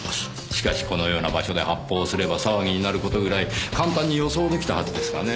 しかしこのような場所で発砲をすれば騒ぎになる事ぐらい簡単に予想出来たはずですがねぇ。